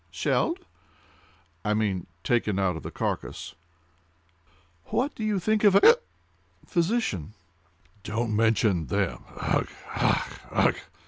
"Shelled!" "I mean taken out of the carcass." "What do you think of a—hic cup!—physician?" "Don't mention them!—ugh! ugh! ugh!"